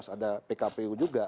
ada pkpu juga